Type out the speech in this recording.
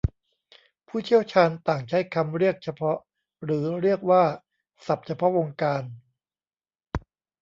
ผู้เชี่ยวชาญต่างใช้คำเรียกเฉพาะหรือเรียกว่าศัทพ์เฉพาะวงการ